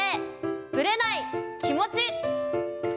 ぶれない気持ち。